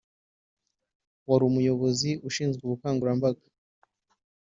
wari umuyobozi ushinzwe ubukangurambaga